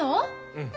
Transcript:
うん。